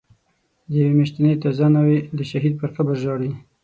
د یوی میاشتی تازه ناوی، دشهید پر قبرژاړی